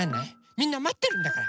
みんなまってるんだから！